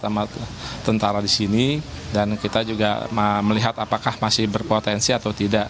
sama tentara di sini dan kita juga melihat apakah masih berpotensi atau tidak